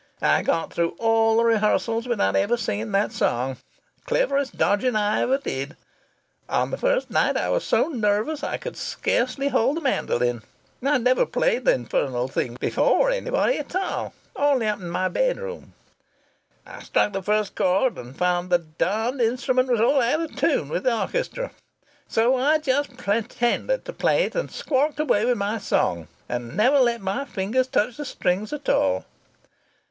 I got through all the rehearsals without ever singing that song. Cleverest dodging I ever did! On the first night I was so nervous I could scarcely hold the mandolin. I'd never played the infernal thing before anybody at all only up in my bedroom. I struck the first chord, and found the darned instrument was all out of tune with the orchestra. So I just pretended to play it, and squawked away with my song, and never let my fingers touch the strings at all.